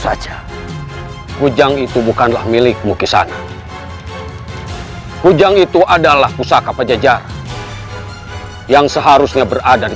saja hujan itu bukanlah milikmu kesana hujan itu adalah pusaka pejajar yang seharusnya berada di